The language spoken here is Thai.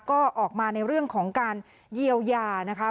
ก็ออกมาในเรื่องของการเยียวยานะคะ